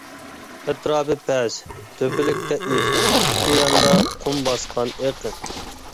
ئەتراپى پەس، تۆپىلىكتە ئىز، ئىككى ياندا قۇم باسقان ئېقىن.